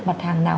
mặt hàng nào